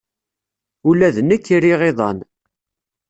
Ula d nekk riɣ iḍan.